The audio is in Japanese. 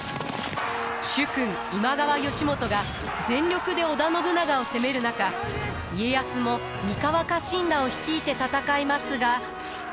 主君今川義元が全力で織田信長を攻める中家康も三河家臣団を率いて戦いますが。